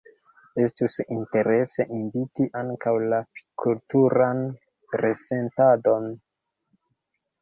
Estus interese inviti ankaŭ la kulturan resentadon.